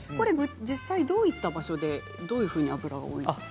実際、どういった場所でどういうふうに脂が多いんですか。